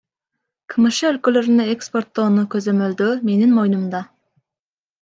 КМШ өлкөлөрүнө экспорттоону көзөмөлдөө менин моюнумда.